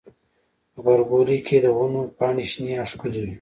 غبرګولی کې د ونو پاڼې شنې او ښکلي وي.